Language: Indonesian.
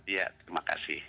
iya terima kasih